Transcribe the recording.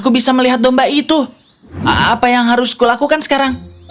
aku bisa melihat domba itu apa yang harus kulakukan sekarang